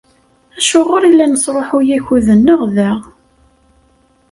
Acuɣer i la nesṛuḥuy akud-nneɣ da?